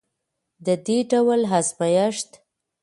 د دې ډول ازمیښت